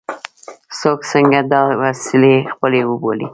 څوک څنګه دا وسیلې خپلې وبولي.